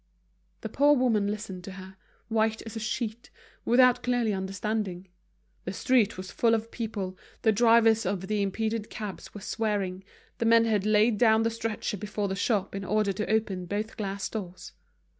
The poor woman listened to her, white as a sheet, without clearly understanding. The street was full of people, the drivers of the impeded cabs were swearing, the men had laid down the stretcher before the shop in order to open both glass doors.